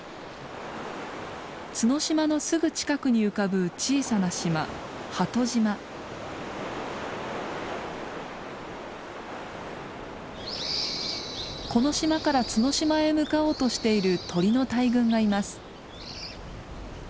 角島のすぐ近くに浮かぶ小さな島この島から角島へ向かおうとしている鳥の大群がいます。